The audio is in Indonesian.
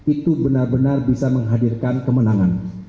itu benar benar bisa menghadirkan kemenangan